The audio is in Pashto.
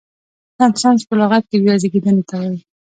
رنسانس په لغت کې بیا زیږیدنې ته وایي.